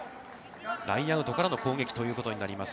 ラインアウトからの攻撃ということになります。